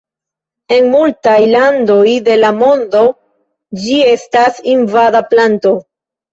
En multaj landoj de la mondo ĝi estas invada planto.